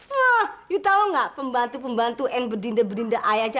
oke you tahu gak pembantu pembantu and bedinda bedinda ayah aja